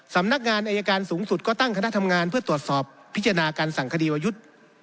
สำนักงานอายการสูงสุดก็ตั้งคณะทำงานเพื่อตรวจสอบพิจารณาการสั่งคดีวยุทธ์